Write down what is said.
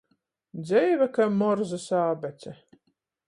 Dzeive kai Morzys ābece.